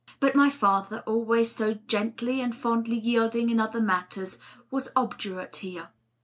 But my father, always so gently and fondly yielding in other matters, was obdurate here.